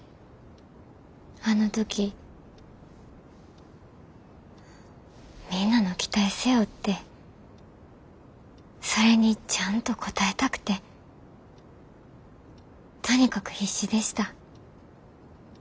あの時みんなの期待背負ってそれにちゃんと応えたくてとにかく必死でした。